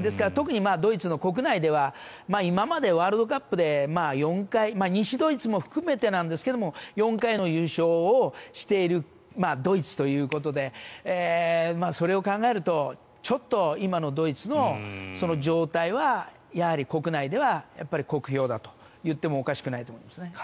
ですから、特にドイツ国内では今までワールドカップで４回、西ドイツも含めてですが４回の優勝をしているドイツということでそれを考えるとちょっと今のドイツの状態はやはり国内では酷評だと言ってもおかしくないと思います。